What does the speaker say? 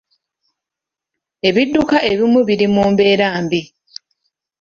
Ebidduka ebimu biri mu mbeera mbi.